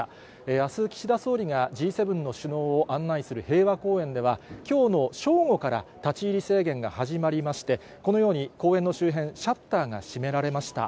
あす、岸田総理がＧ７の首脳を案内する平和公園では、きょうの正午から立ち入り制限が始まりまして、このように、公園の周辺、シャッターが閉められました。